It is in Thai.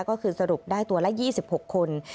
ก็คือสรุปได้ตัวละ๒๖คน